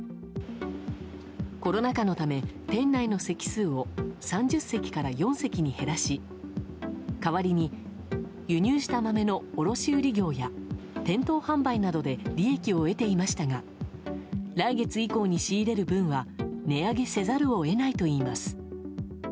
コロナ禍のため、店内の席数を３０席から４席に減らし代わりに輸入した豆の卸売業や店頭販売などで利益を得ていましたが来月以降に仕入れる分は値上げせざるを得ないといいます。